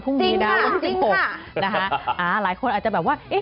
ใครอยากเป็นเศรษฐี